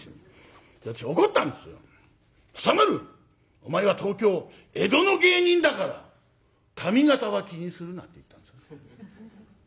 お前は東京江戸の芸人だから上方は気にするな」って言ったんですよ。